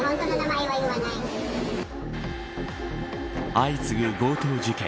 相次ぐ強盗事件。